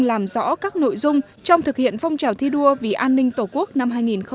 làm rõ các nội dung trong thực hiện phong trào thi đua vì an ninh tổ quốc năm hai nghìn hai mươi bốn